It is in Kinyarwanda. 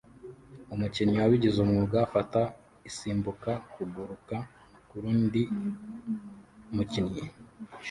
Umukinnyi wabigize umwuga afata isimbuka kuguruka kurundi mukinnyi